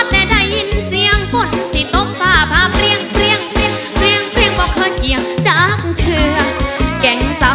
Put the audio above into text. ไม่ยอมมายกออกความโสขทิ้งความโสขทิ้งความโสข